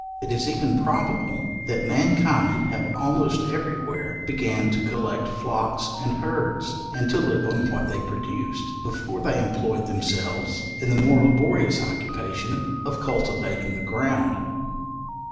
It is even probable, that mankind have almost every where began to collect flocks and herds, and to live on what they produced, before they employed themselves in the more laborious occupation of cultivating the ground.